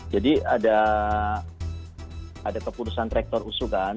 jadi ada keputusan rektor usu kan